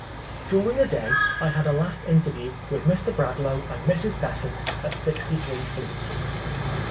During the day I had a last interview with Mr. Brad laugh and Mrs. Besant at 63 Fleet Street.